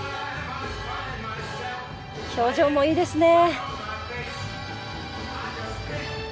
表情もいいですね。